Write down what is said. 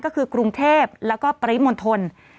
ก็คือกรุงเทพแล้วก็ปริมณฑล